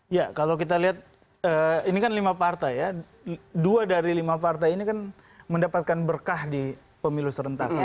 ya kalau kita lihat ini kan lima partai ya dua dari lima partai ini kan mendapatkan berkah di pemilu serentak ya